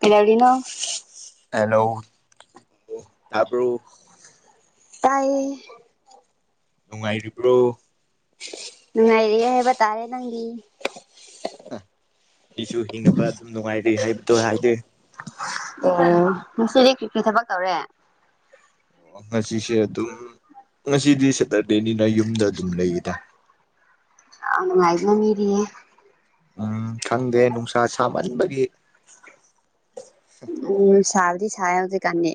ꯀꯩꯗꯧꯔꯤꯅꯣ ꯑꯣ ꯇꯕ꯭ꯔꯣ ꯇꯥꯏꯌꯦ ꯅꯨꯡꯉꯥꯏꯔꯤꯕ꯭ꯔꯣ ꯅꯨꯡꯉꯥꯏꯔꯤꯌꯦ ꯍꯥꯏꯕ ꯇꯔꯦ ꯅꯪꯗꯤ ꯑꯩꯁꯨ ꯍꯤꯡꯅꯕ ꯑꯗꯨꯝ ꯅꯨꯡꯉꯥꯏꯔꯤ ꯍꯥꯏꯕꯗꯣ ꯍꯥꯏꯗꯣꯏꯅꯤ ꯑꯣ ꯉꯁꯤꯗꯤ ꯀꯔꯤ ꯊꯕꯛ ꯇꯧꯔꯦ ꯑꯣ ꯉꯁꯤꯁꯦ ꯑꯗꯨꯝ ꯉꯁꯤꯗꯤ ꯁꯦꯇꯔꯗꯦꯅꯤꯅ ꯌꯨꯝꯗ ꯑꯗꯨꯝ ꯂꯩꯌꯦꯗ ꯃꯃꯤꯗꯤ ꯎꯝ ꯈꯪꯗꯦ ꯅꯨꯡꯁꯥ ꯁꯥꯃꯟꯕꯒꯤ ꯎꯝ ꯁꯕꯗꯤ ꯁꯥꯏ ꯍꯧꯖꯤꯛꯀꯥꯟꯗꯤ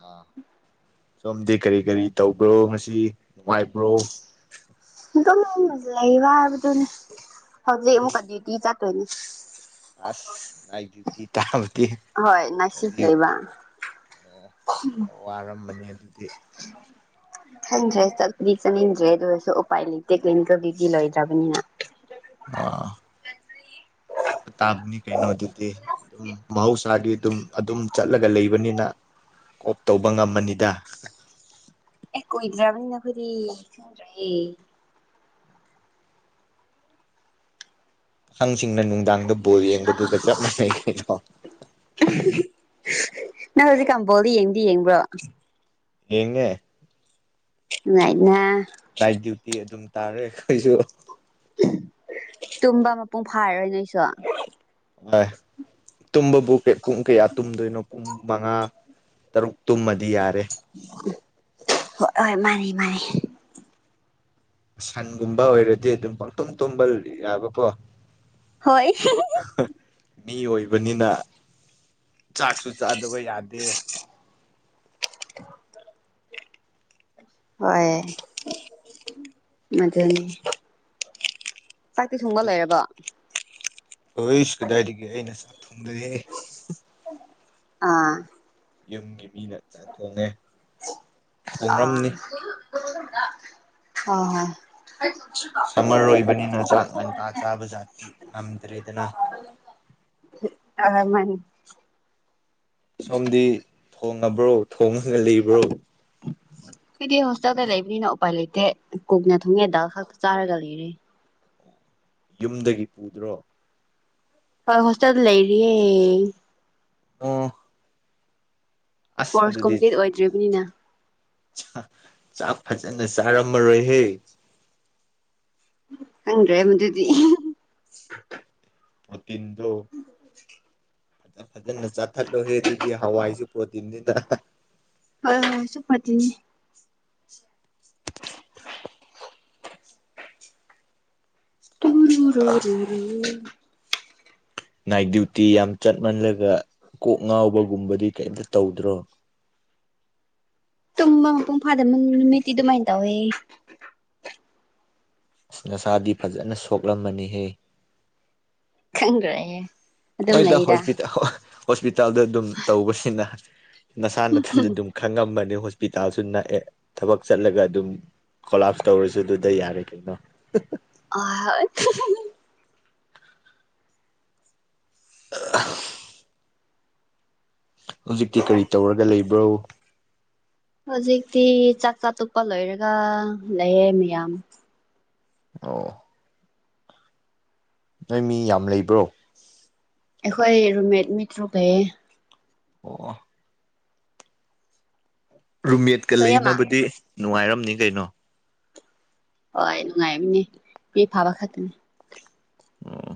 ꯑꯥ ꯁꯣꯝꯗꯤ ꯀꯔꯤ ꯀꯔꯤ ꯇꯧꯕ꯭ꯔꯣ ꯉꯁꯤ ꯅꯨꯡꯉꯥꯏꯕ꯭ꯔꯣ ꯑꯗꯨꯝ ꯂꯩꯕ ꯍꯥꯏꯕꯗꯨꯅꯦ ꯍꯧꯖꯤꯛ ꯑꯃꯨꯛꯀ ꯗ꯭ꯌꯨꯇꯤ ꯆꯠꯇꯣꯏꯅꯦ ꯑꯁ ꯅꯥꯏꯠ ꯗꯌꯨꯇꯤ ꯇꯥꯕꯗꯤ ꯍꯣꯏ ꯅꯥꯏꯠ ꯁꯤꯐ [unintelligible] ꯂꯩꯕ ꯑꯣ ꯋꯥꯔꯝꯃꯅꯤ [inaudible] ꯈꯟꯗ꯭ꯔꯦ ꯆꯠꯄꯗꯤ ꯆꯠꯅꯤꯡꯗ꯭ꯔꯦ ꯑꯗꯨꯔꯁꯨ ꯎꯄꯥꯏ ꯂꯩꯇꯦ ꯀꯩꯝꯇ ꯕꯤꯖꯤ ꯂꯩꯇ꯭ꯔꯕꯅꯤꯅ ꯑꯥ ꯇꯥꯕꯅꯤ ꯀꯩꯅꯣꯗꯨꯗꯤ ꯑꯗꯨꯝ ꯃꯍꯧꯁꯥꯒꯤ ꯑꯗꯨꯝ ꯑꯗꯨꯝ ꯆꯠꯂꯒ ꯂꯩꯕꯅꯤꯅ ꯀꯣꯞ ꯇꯧꯕ ꯉꯃꯕꯅꯤꯗ ꯑꯦ ꯀꯨꯏꯗ꯭ꯔꯝꯅꯤꯅ ꯑꯩꯈꯣꯏꯗꯤ ꯈꯪꯗ꯭ꯔꯦ ꯄꯈꯪꯁꯤꯡꯅ ꯅꯨꯡꯗꯥꯡꯗ ꯕꯣꯜ ꯌꯦꯡꯕꯗꯨꯒ ꯆꯞ ꯃꯥꯟꯅꯩ ꯀꯩꯅꯣ ꯅꯪ ꯍꯧꯖꯤꯛꯀꯥꯟ ꯕꯣꯜꯗꯤ ꯌꯦꯡꯗꯤ ꯌꯦꯡꯕ꯭ꯔꯣ ꯌꯦꯡꯉꯦ ꯅꯨꯉꯥꯏꯅ ꯅꯥꯏꯠ ꯗ꯭ꯌꯨꯇꯤ ꯑꯗꯨꯝ ꯇꯥꯔꯦ ꯑꯩꯈꯣꯏꯁꯨ ꯇꯨꯝꯕ ꯃꯄꯨꯡ ꯐꯥꯔꯔꯣꯏ ꯅꯣꯏꯁꯨ [unintelligible] ꯇꯨꯝꯕꯕꯨ ꯄꯨꯡ ꯀꯌꯥ ꯇꯨꯝꯗꯣꯏꯅꯣ ꯄꯨꯡ ꯃꯉꯥ ꯇꯔꯨꯛ ꯇꯨꯝꯃꯗꯤ ꯌꯥꯔꯦ ꯍꯣꯏ ꯃꯥꯅꯤ ꯃꯥꯅꯤ ꯁꯟꯒꯨꯝꯕ ꯑꯣꯏꯔꯗꯤ ꯑꯗꯨꯝ ꯄꯪꯇꯨꯝ ꯇꯨꯝꯕ ꯌꯥꯕꯀꯣ ꯍꯣꯏ ꯕꯅꯤꯅ ꯆꯥꯛꯁꯨ ꯆꯥꯗꯕ ꯌꯥꯗꯦ ꯍꯣꯏ ꯑꯗꯨꯅꯤ ꯆꯥꯛꯇꯤ ꯊꯣꯡꯕ ꯂꯣꯏꯔꯕꯣ ꯑꯩꯁ ꯀꯗꯥꯏꯗꯒꯤ ꯑꯩꯅ ꯆꯥꯛ ꯊꯣꯡꯗꯌꯦ ꯑꯥ ꯌꯨꯝꯒꯤ ꯃꯤꯅ ꯆꯥꯛ ꯊꯣꯡꯉꯦ ꯑꯥ ꯊꯣꯡꯔꯝꯅꯤ ꯍ ꯍ ꯁꯝꯃꯔ ꯑꯣꯏꯕꯅꯤꯅ ꯆꯥꯛ ꯉꯟꯇꯥ ꯆꯥꯕ ꯖꯥꯇꯤ ꯉꯝꯗ꯭ꯔꯦꯗꯅ [inaudible] ꯑ ꯃꯥꯅꯤ ꯁꯣꯝꯗꯤ ꯊꯣꯡꯉꯕ꯭ꯔꯣ ꯊꯣꯉꯒ ꯂꯩ ꯕꯔꯣ ꯑꯩꯗꯤ ꯍꯣꯁꯇꯦꯜꯗ ꯂꯩꯕꯅꯤꯅ ꯎꯄꯥꯏ ꯂꯩꯇꯦ ꯀꯨꯛꯅ ꯊꯨꯡꯉꯦ ꯗꯥꯜ ꯈꯛꯇ ꯆꯥꯔꯒ ꯂꯩꯔꯦ ꯌꯨꯝꯗꯒꯤ ꯄꯨꯗ꯭ꯔꯣ ꯍꯥ ꯍꯣꯁꯇꯦꯜꯗ ꯂꯩꯔꯤꯌꯦ ꯑꯣ ꯑꯁ ꯀꯣꯔꯁ ꯑꯗꯨꯗꯤ ꯀꯝꯄ꯭ꯂꯤꯠ ꯑꯣꯏꯗ꯭ꯔꯤꯕꯅꯤꯅ ꯆꯥꯛ ꯐꯖꯅ ꯆꯥꯔꯝꯃꯔꯣꯏꯍꯦ ꯈꯪꯗ꯭ꯔꯦ ꯃꯗꯨꯗꯤ [unintelligible] ꯐꯖ ꯐꯖꯅ ꯆꯥꯊꯠꯂꯣꯍꯦ ꯑꯗꯨꯗꯤ ꯍꯋꯥꯏꯁꯨ ꯄ꯭ꯔꯣꯇꯤꯟꯅꯤꯗ ꯍꯣꯏ ꯍꯋꯥꯏꯁꯨ ꯄ꯭ꯔꯣꯇꯤꯟꯅꯤ ꯇꯨꯔꯨ ꯔꯨꯔꯨ ꯔꯨ ꯅꯥꯏꯠ ꯗ꯭ꯌꯨꯇꯤ ꯌꯥꯝ ꯆꯠꯃꯜꯂꯒ ꯀꯣꯛ ꯉꯥꯎꯕꯒꯨꯝꯕꯗꯤ ꯀꯩꯝꯇ ꯇꯧꯗ꯭ꯔꯣ ꯇꯨꯝꯕ ꯃꯄꯨꯡ ꯐꯥꯗꯕ ꯅꯨꯃꯤꯠꯇꯤ ꯑꯗꯨꯃꯥꯏꯅ ꯇꯧꯋꯦ ꯑꯁ ꯅꯁꯥꯗꯤ ꯐꯖꯅ ꯁꯣꯛꯂꯝꯕꯅꯤꯍꯦ ꯈꯪꯗ꯭ꯔꯦꯌꯦ ꯍꯣꯏꯗ ꯍꯣꯁꯄꯤꯇ ꯍꯣꯁꯄꯤꯇꯥꯜꯗ ꯑꯗꯨꯝ ꯇꯧꯕꯁꯤꯅ ꯅꯁꯥ ꯅꯥꯊꯟꯗ ꯑꯗꯨꯝ ꯈꯪꯉꯝꯕꯅꯤ ꯍꯣꯁꯄꯤꯇꯥꯜꯁꯨ ꯅꯛꯑꯦ ꯊꯕꯛ ꯆꯠꯂꯒ ꯑꯗꯨꯝ ꯀꯣꯂꯥꯞꯁ ꯇꯧꯔꯁꯨ ꯑꯗꯨꯗ ꯌꯥꯔꯦ ꯀꯩꯅꯣ ꯑꯥ [inaudible] ꯍꯧꯖꯤꯛꯇꯤ ꯀꯔꯤ ꯇꯧꯔꯒ ꯂꯩꯕ꯭ꯔꯣ ꯍꯧꯖꯤꯛꯇꯤ ꯆꯥꯛ ꯆꯥ ꯇꯣꯛꯄ ꯂꯣꯏꯔꯒ ꯂꯩꯌꯦ ꯃꯌꯥꯝ ꯑꯣ ꯅꯣꯏ ꯃꯤ ꯌꯥꯝ ꯂꯩꯕ꯭ꯔꯣ ꯑꯩꯈꯣꯏ ꯔꯨꯝꯃꯦꯠ ꯃꯤꯇ꯭ꯔꯨꯛ ꯄꯩꯏ ꯑꯣ ꯔꯨꯝꯃꯦꯠꯀ ꯇꯣꯌꯦꯃ ꯂꯩꯅꯕꯗꯤ ꯅꯨꯡꯉꯥꯏꯔꯝꯅꯤ ꯀꯩꯅꯣ ꯍꯣꯏ ꯅꯨꯡꯉꯥꯏꯝꯅꯦ ꯃꯤ ꯐꯕ ꯈꯛꯇꯅꯦ ꯑꯣ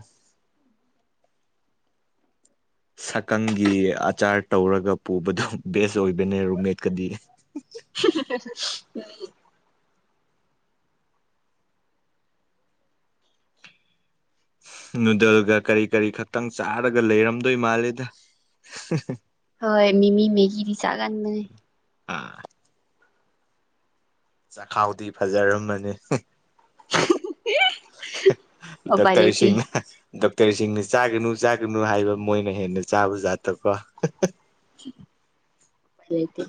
ꯁꯛꯀꯪꯒꯤ ꯑꯆꯥꯔ ꯇꯧꯔꯒ ꯄꯨꯕꯗꯨ ꯕꯦꯁ ꯑꯣꯏꯕꯅꯦ ꯔꯨꯝꯃꯦꯠꯀꯗꯤ ꯍꯝꯍ ꯍ ꯍ ꯎꯝ ꯅꯨꯗꯜꯒ ꯀꯔꯤ ꯀꯔꯤ ꯈꯛꯇꯪ ꯆꯥꯔꯒ ꯂꯩꯔꯝꯗꯣꯏ ꯃꯥꯜꯂꯦꯗ ꯑꯍꯍ ꯍꯣꯏ ꯃꯤꯃꯤ ꯃꯦꯒꯤꯗꯤ ꯆꯥꯒꯟꯕꯅꯦ ꯑꯥ ꯆꯈꯥꯎꯗꯤ ꯐꯖꯔꯝꯃꯅꯤ ꯍ ꯍꯦ ꯎꯄꯥꯏ ꯂꯩꯇꯦ ꯗꯛꯇꯔꯁꯤꯡꯅ ꯗꯛ ꯇꯔꯁꯤꯡꯅ ꯆꯥꯒꯅꯨ ꯆꯥꯒꯅꯨ ꯍꯥꯏꯕ ꯃꯣꯏꯅ ꯍꯦꯟꯅ ꯆꯥꯕ ꯖꯥꯠꯇꯣꯀꯣ ꯎꯄꯥꯏ ꯂꯩꯇꯦ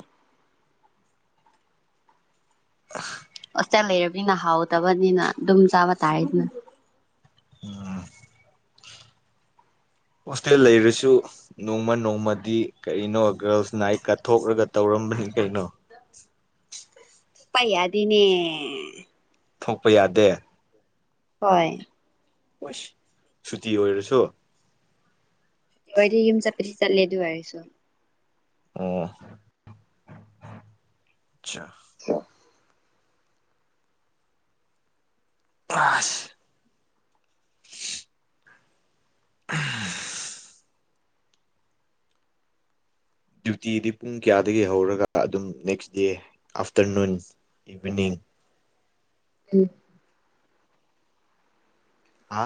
ꯑꯥ ꯍꯣꯁꯇꯦꯜ ꯂꯩꯔꯕꯅꯤꯅ ꯍꯥꯎꯇꯕꯅꯤꯅ ꯑꯗꯨꯝ ꯆꯥꯕ ꯇꯥꯔꯦꯗꯅ [unintelligible] ꯍꯣꯁꯇꯦꯜ ꯂꯩꯔꯁꯨ ꯅꯣꯡꯃ ꯅꯣꯡꯃꯗꯤ ꯀꯔꯤꯅꯣ ꯒ꯭ꯔꯜꯁ ꯅꯥꯏꯠꯀ ꯊꯣꯛꯔꯒ ꯇꯧꯔꯝꯕꯅꯤ ꯀꯩꯅꯣ ꯄꯥꯏ ꯌꯥꯗꯦꯅꯦ ꯊꯣꯛꯄ ꯌꯥꯗꯦ ꯍꯣꯏ ꯑꯨꯁ ꯁꯨꯇꯤ ꯑꯣꯏꯔꯁꯨ ꯅꯣꯏꯗꯤ ꯌꯨꯝ ꯆꯠꯄꯗꯤ ꯆꯠꯂꯦ ꯑꯗꯨ ꯑꯣꯏꯔꯁꯨ ꯑꯣ ꯆꯥ [unintelligible] [unintelligible] ꯗ꯭ꯌꯨꯇꯤꯗꯤ ꯄꯨꯡ ꯀꯌꯥꯗꯒꯤ ꯍꯧꯔꯒ ꯑꯗꯨꯝ ꯅꯦꯛꯁ ꯗꯦ ꯑꯥꯐꯇꯔꯅꯨꯟ ꯏꯚꯤꯅꯤꯡ [inaudible] ꯑꯝ ꯍꯥ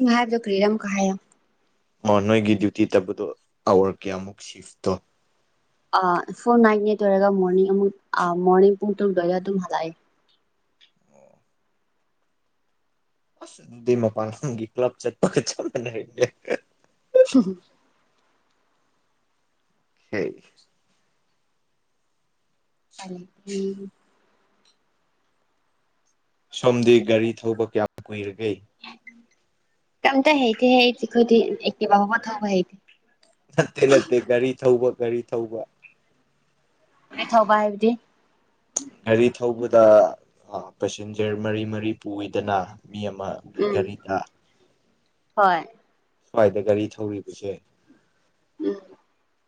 ꯅꯪ ꯍꯥꯢꯕꯗꯣ ꯀꯔꯤꯔ ꯑꯃꯨꯛꯀ ꯍꯥꯢꯌꯣ ꯑꯣ ꯅꯣꯏꯒꯤ ꯗ꯭ꯌꯨꯇꯤ ꯇꯕꯗꯣ ꯑꯋꯔ ꯀꯌꯥꯃꯨꯛ ꯁꯤꯐ ꯇꯣ ꯑꯥ ꯐꯨꯜ ꯅꯥꯏꯠꯅꯦ ꯑꯗꯨ ꯑꯣꯏꯔꯒ ꯃꯣꯔꯅꯤꯡ ꯑꯃꯨꯛ ꯑꯥ ꯃꯣꯔꯅꯤꯡ ꯄꯨꯡ ꯇꯔꯨꯛ ꯗ꯭ꯋꯥꯏꯗ ꯑꯗꯨꯝ ꯍꯜꯂꯛꯑꯦ ꯑꯁ ꯑꯗꯨꯗꯤ ꯃꯄꯥꯜ ꯂꯝꯒꯤ ꯀꯂꯞ ꯆꯠꯄ ꯆꯞꯃꯥꯟꯅ ꯍꯩꯇꯦ ꯍꯨꯝ ꯍꯨ ꯍꯦ ꯐꯅꯤ ꯎꯝ ꯁꯣꯝꯗꯤ ꯒꯥꯔꯤ ꯊꯧꯕ ꯀ꯭ꯌꯥꯝ ꯀꯨꯏꯔꯒꯦ ꯀꯩꯝꯇ ꯍꯩꯇꯦꯍꯦ ꯑꯩꯗꯤ ꯈꯣꯢꯗꯤ ꯑꯦꯛꯇꯤꯚꯥ ꯕꯥꯎ ꯊꯧꯕ ꯍꯩꯇꯦ ꯅꯠꯇꯦ ꯅꯠꯇꯦ ꯒꯥꯔꯤ ꯊꯧꯕ ꯒꯥꯔꯤ ꯊꯧꯕ ꯔꯤ ꯊꯧꯕ ꯍꯥꯏꯕꯗꯤ ꯒꯥꯔꯤ ꯊꯧꯕꯗ ꯑꯥ ꯄꯦꯁꯦꯟꯖꯔ ꯃꯔꯤ ꯃꯔꯤ ꯄꯨꯏꯗꯅ ꯃꯤ ꯑꯃꯒꯤ ꯎꯝ ꯒꯥꯔꯤꯗ ꯍꯣꯏ ꯁ꯭ꯋꯥꯏꯗ ꯒꯥꯔꯤ ꯊꯧꯔꯤꯕꯁꯦ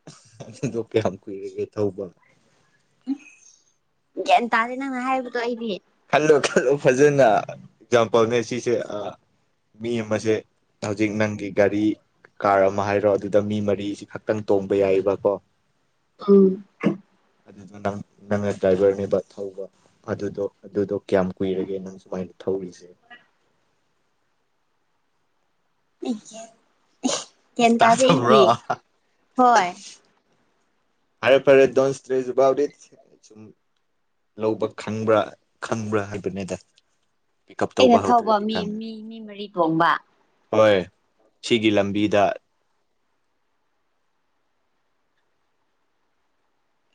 ꯑꯁ ꯑꯗꯨꯗꯣ ꯀ꯭ꯌꯥꯝ ꯀꯨꯏꯔꯦꯅꯦ ꯊꯧꯕ ꯎꯝ ꯒ꯭ꯌꯥꯟ ꯇꯥꯗꯦ ꯅꯪꯅ ꯍꯥꯏꯕꯗꯣ ꯑꯩꯗꯤ ꯈꯜꯂꯣ ꯈꯜꯂꯣ ꯐꯖꯅ ꯑꯦꯛꯖꯝꯄꯜꯅꯦ ꯁꯤꯁꯦ ꯑꯥ ꯃꯤ ꯑꯃꯁꯦ ꯍꯧꯖꯤꯛ ꯅꯪꯒꯤ ꯒꯥꯔꯤ ꯀꯥꯔ ꯑꯃ ꯍꯥꯏꯔꯣ ꯑꯗꯨꯗ ꯃꯤ ꯃꯔꯤꯁꯤ ꯈꯛꯇꯪ ꯇꯣꯡꯕ ꯌꯥꯏꯌꯦꯕꯀꯣ ꯑꯝ ꯑꯗꯨꯗ ꯅꯪ ꯅꯪꯅ ꯗ꯭ꯔꯥꯏꯚꯔꯅꯦꯕ ꯊꯧꯕ ꯑꯗꯨꯗꯣ ꯑꯗꯨꯗꯣ ꯀꯌꯥꯝ ꯀꯨꯏꯔꯒꯦ ꯅꯪ ꯁꯨꯃꯥꯏꯅ ꯊꯧꯔꯤꯖꯦ [unintelligible] ꯒꯥꯢꯟ ꯇꯥꯗꯦ ꯑꯩꯗꯤ ꯇꯥꯗꯕ꯭ꯔꯣ ꯍꯣꯏ ꯐꯔꯦ ꯐꯔꯦ ꯗꯣꯟ ꯁꯇꯔꯦꯁ ꯑꯕꯥꯥꯎꯠ ꯢꯠ ꯁꯨꯝ ꯂꯧꯕ ꯈꯪꯕ꯭ꯔꯥ ꯈꯪꯕ꯭ꯔꯥ ꯍꯥꯏꯕꯅꯤꯗ ꯄꯤꯛ ꯎꯞ ꯇꯧꯕ ꯑꯩꯅ ꯊꯧꯕ ꯍꯧꯗ꯭ꯔꯗꯤ ꯃꯤ ꯈꯪꯗꯦ ꯃꯤ ꯃꯤ ꯃꯔꯤ ꯇꯣꯡꯕ ꯍꯣꯏ ꯁꯤꯒꯤ ꯂꯝꯕꯤꯗ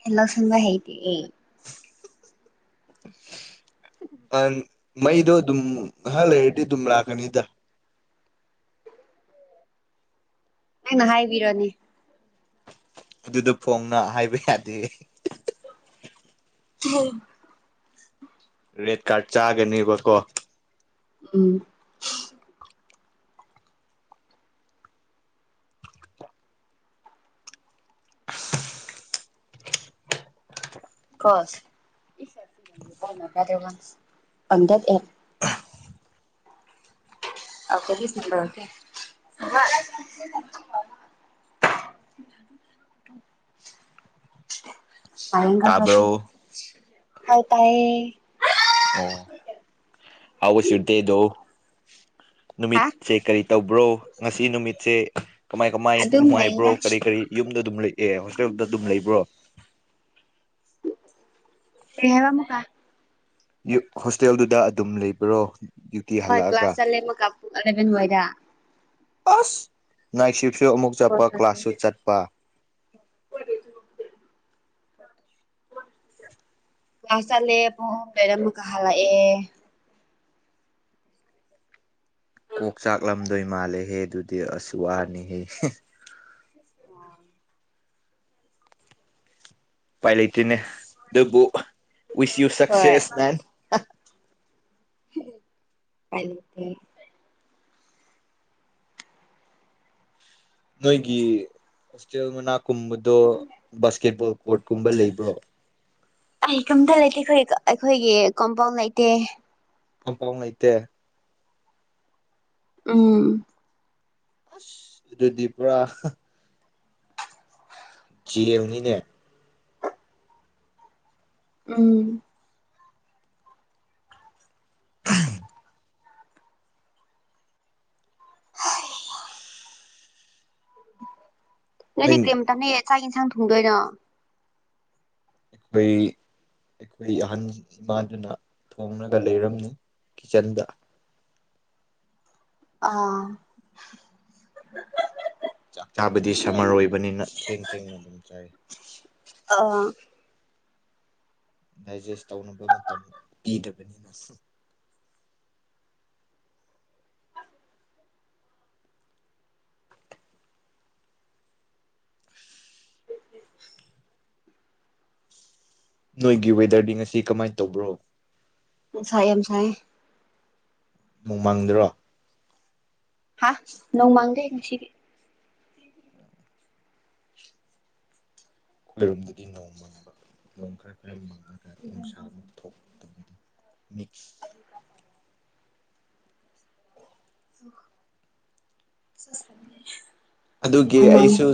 ꯑꯩ ꯅꯛꯁꯟꯕ ꯍꯩꯇꯤꯑꯦ ꯍꯝꯍꯝꯍꯝ ꯑꯟ ꯃꯩꯗꯣ ꯑꯗꯨꯝ ꯉꯥꯢꯍꯥꯛ ꯂꯩꯔꯗꯤ ꯑꯗꯨꯝ ꯂꯥꯛꯀꯅꯤꯗ ꯑꯩꯅ ꯍꯥꯏꯕꯤꯔꯅꯤ ꯑꯗꯨꯗ ꯐꯣꯡꯅ ꯍꯥꯏꯕ ꯌꯥꯗꯦ ꯍꯤꯍꯤ [unintelligible] ꯔꯦꯠ ꯀꯥꯔꯠ ꯆꯥꯒꯅꯦꯕꯀꯣ ꯎꯝ ꯀꯣꯁ [unintelligible] better one on that app [unintelligible] [inaudible] ꯇꯥꯕ꯭ꯔꯣ [unintelligible] ꯍꯥꯏ ꯇꯥꯌꯦ ꯑꯣ ꯍꯥꯎ ꯋꯥꯁ ꯌꯣꯔ ꯗꯦ ꯗꯣ ꯅꯨꯃꯤꯠ ꯍꯥ ꯁꯦ ꯀꯔꯤ ꯇꯧꯕ꯭ꯔꯣ ꯉꯁꯤ ꯅꯨꯃꯤꯠꯁꯦ ꯀꯃꯥꯏ ꯀꯃꯥꯏ ꯑꯗꯨꯝ ꯅꯨꯡꯉꯥꯏꯕ꯭ꯔꯣ ꯂꯩꯌꯦꯗ ꯀꯔꯤ ꯀꯔꯤ ꯌꯨꯝꯗ ꯑꯗꯨꯝ ꯂꯩ ꯑꯦ ꯍꯣꯁꯇꯦꯜꯗ ꯑꯗꯨꯝ ꯂꯩꯕ꯭ꯔꯣ ꯀꯩ ꯍꯥꯢꯕ ꯑꯃꯨꯛꯀꯥ ꯌꯨꯠ ꯍꯣꯁꯇꯦꯜꯗꯨꯗ ꯑꯗꯨꯝ ꯂꯩꯕ꯭ꯔꯣ ꯗ꯭ꯌꯨꯇꯤ ꯍꯣꯏ ꯀ꯭ꯂꯥꯁ ꯍꯜꯂꯛꯑꯒ ꯆꯠꯂꯦ ꯑꯃꯨꯛꯀꯥ ꯄꯨꯡ ꯑꯂꯚꯦꯟ ꯋꯥꯢꯗ ꯑꯁ ꯅꯥꯏꯠꯁꯤꯞꯁꯨ ꯑꯃꯨꯛ ꯆꯠꯄ ꯀ꯭ꯂꯥꯁꯁꯨ ꯀ꯭ꯂꯥꯁ ꯆꯠꯄ [inaudible] ꯀ꯭ꯂꯥꯁ ꯆꯠꯂꯦ ꯄꯨꯡ ꯑꯍꯨꯝꯗꯩ ꯑꯃꯨꯛꯀ ꯍꯜꯂꯛꯑꯦ ꯀꯣꯛ ꯆꯥꯛꯂꯝꯗꯣꯏ ꯃꯥꯜꯂꯦꯍꯦ ꯑꯗꯨꯗꯤ ꯑꯁ ꯋꯥꯅꯤꯍꯦ ꯍꯦ ꯑꯣ ꯎꯄꯥꯢꯂꯩꯇꯦꯅꯦ ꯑꯗꯕꯨ ꯋꯤꯁ ꯌꯨ ꯍꯣꯏ ꯁꯛꯁꯦꯁ ꯃꯦꯟ ꯍꯥ ꯎꯄꯥꯢ ꯂꯩꯇꯦ ꯅꯣꯏꯒꯤ ꯍꯣꯁꯇꯦꯜ ꯃꯅꯥꯛ ꯀꯨꯝꯕꯗꯣ ꯕꯥꯁꯀꯦꯠꯕꯣꯜ ꯀꯣꯔꯠꯀꯨꯝꯕ ꯂꯩꯕ꯭ꯔꯣ ꯑꯩ ꯀꯝꯇ ꯂꯩꯇꯦ ꯑꯩꯈꯣꯏꯒꯤ ꯒ ꯑꯩꯈꯣꯏꯒꯤ ꯀꯣꯝꯕꯣꯜ ꯂꯩꯇꯦ ꯀꯝꯄꯥꯎꯟ ꯂꯩꯇꯦ ꯎꯝ ꯑꯁ ꯑꯗꯨꯗꯤ ꯄꯨꯔꯥ ꯍꯥ ꯖꯦꯜꯅꯤꯅꯦ ꯎꯝ ꯅꯪꯗꯤ ꯑꯩ ꯀꯔꯤ ꯃꯇꯝꯗꯒꯤ ꯆꯥꯛ ꯌꯦꯟꯁꯥꯡ ꯊꯣꯡꯗꯣꯏꯅꯣ [unintelligible] ꯑꯩꯈꯣꯏ ꯑꯍꯟ ꯏꯃꯥꯗꯨꯅ ꯊꯣꯡꯔꯒ ꯂꯩꯔꯝꯃꯤ ꯀꯤꯠꯆꯟꯗ ꯑꯥ ꯆꯥꯛ ꯆꯥꯕꯗꯤ ꯁꯝꯃꯔ ꯑꯣꯏꯕꯅꯤꯅ ꯊꯦꯡ ꯊꯦꯡꯅ ꯑꯗꯨꯝ ꯆꯥꯏ ꯑꯥ ꯗꯥꯏꯖꯦꯁ ꯇꯧꯅꯕ ꯃꯇꯝ ꯄꯤꯗꯕꯅꯤꯅ ꯍꯨꯝ ꯅꯣꯏꯒꯤ ꯋꯦꯗꯔꯗꯤ ꯉꯁꯤ ꯀꯃꯥꯏ ꯇꯧꯕ꯭ꯔꯣ ꯅꯨꯡꯁꯥ ꯌꯥꯝ ꯁꯥꯏꯌꯦ ꯅꯣꯡ ꯃꯪꯗ꯭ꯔꯣ ꯍꯥꯥ ꯅꯣꯡ ꯃꯪꯗꯦ ꯉꯁꯤꯗꯤ ꯑꯩꯈꯣꯏꯔꯣꯝꯗꯗꯤ ꯅꯣꯡ ꯃꯪꯕ ꯅꯣꯡ ꯈꯔ ꯈꯔ ꯃꯪꯉꯒ ꯅꯨꯡꯁꯥꯃꯨꯛ ꯊꯣꯛꯄ ꯇꯧꯋꯦ ꯃꯤꯠ [unintelligible] ꯑꯗꯨꯒꯤ ꯅꯣꯡ ꯃꯥꯡꯉꯦ ꯑꯩꯁꯨ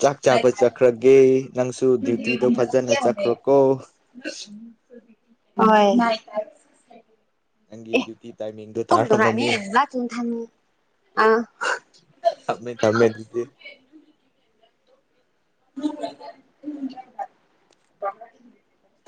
ꯆꯥꯛ ꯆꯥꯕ ꯆꯠꯈ꯭ꯔꯒꯦ ꯅꯪꯁꯨ ꯗ꯭ꯌꯨꯇꯤꯗꯣ ꯐꯖꯅ ꯆꯠꯈ꯭ꯔꯣ ꯍꯣꯀꯣ ꯍꯣꯏ ꯅꯪꯒꯤ ꯗ꯭ꯌꯨꯇꯤ ꯇꯥꯏꯃꯤꯡꯗꯣ ꯇꯥꯔꯝꯃꯅꯤ ꯑꯦ [unintelligible] ꯑꯥ ꯊꯝꯃꯦ ꯊꯝꯃꯦ ꯑꯗꯨꯗꯤ [unintelligible]